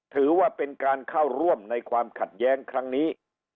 ถือว่าเป็นการเข้าร่วมในความขัดแย้งครั้งนี้